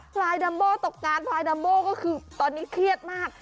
พลายดัมโบ้ตกงานพลายดัมโบก็คือตอนนี้เครียดมาก